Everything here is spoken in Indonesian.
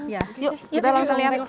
yuk kita langsung lihat yuk